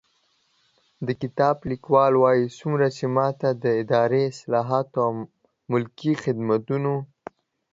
د کتاب لیکوال وايي، څومره چې ما ته د اداري اصلاحاتو او ملکي خدمتونو